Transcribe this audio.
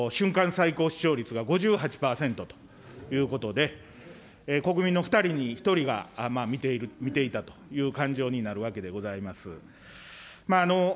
最高視聴率は５８％ということで、国民の２人に１人が見ていたという勘定になるわけでございます。